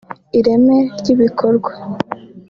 ireme ry’ibikorwa